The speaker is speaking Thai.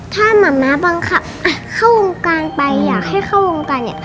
ถ้ามั้งมันบางทีอ่ะเข้างานไปอยากเข้าวงการ